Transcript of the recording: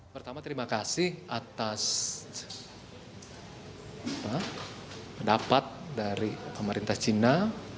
pertama terima kasih atas pendapat dari pemerintah cina